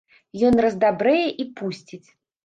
Ён раздабрэе і пусціць.